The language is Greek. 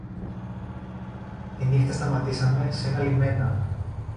Τη νύχτα σταματήσαμε σ' ένα λιμένα